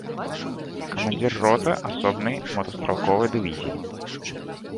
Камандзір роты асобнай мотастралковай дывізіі.